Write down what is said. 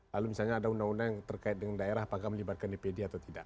lalu misalnya ada undang undang yang terkait dengan daerah apakah melibatkan dpd atau tidak